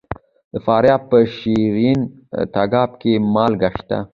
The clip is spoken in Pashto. د فاریاب په شیرین تګاب کې مالګه شته.